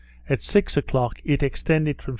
at six o'clock it extended from S.